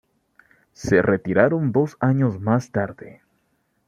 Se retiraron dos años más tarde.